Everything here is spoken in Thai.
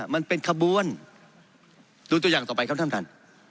มันเป็นขบวนดูตัวอย่างต่อไปครับท่านท่าน